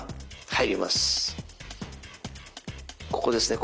ここですね